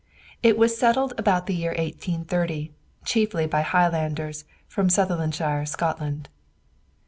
It was settled about the year 1830, chiefly by Highlanders from Sutherlandshire, Scotland.